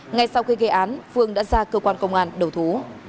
ngay sau khi gây án phương đã ra cơ quan công an đầu thú